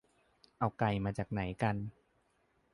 เอาไก่มาจากไหนกัน